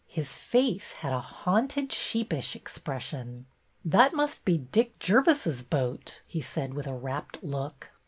His face had a haunted, sheepish expression. That must be Dick Jervice's boat," he said, with a rapt look.